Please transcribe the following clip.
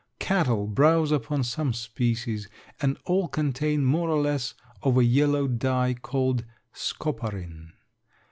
Cattle browse upon some species and all contain more or less of a yellow dye called scoparin.